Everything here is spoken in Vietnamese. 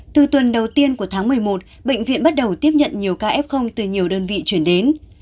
từ tuần đầu tiên của tháng một mươi một bệnh viện bắt đầu tiếp nhận nhiều ca f từ nhiều đơn vị chuyển đến